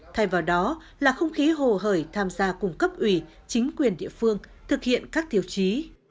thay vào đó là không khí hồ hởi tham gia cùng cấp ủy chính quyền địa phương thực hiện các tiêu chí